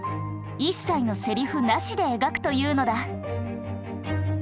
一切のセリフなしで描くというのだ。